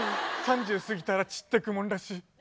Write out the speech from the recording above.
３０過ぎたら散ってくもんらしい。